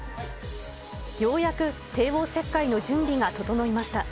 ようやく帝王切開の準備が整いました。